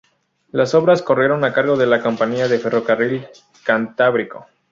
Las obras corrieron a cargo de la Compañía del Ferrocarril Cantábrico.